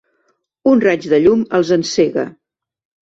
Un raig de llum els encega.